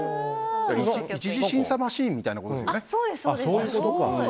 １次審査マシンみたいなものですよね。